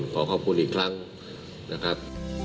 ขอขอบคุณอีกครั้งนะครับ